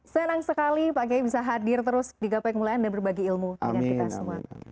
senang sekali pak kiai bisa hadir terus di gapai kemuliaan dan berbagi ilmu dengan kita semua